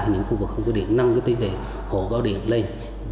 những khu vực không có điện nâng tỷ lệ hộ có điện lên